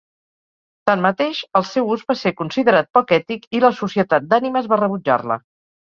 Tanmateix, el seu ús va ser considerat poc ètic i la Societat d'Ànimes va rebutjar-la.